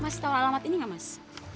mas tahu alamat ini nggak mas